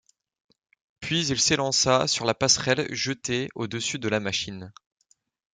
Puis il s’élança sur la passerelle jetée au-dessus de la machine.